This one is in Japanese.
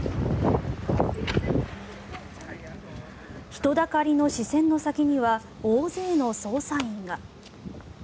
人だかりの視線の先には大勢の捜査員が。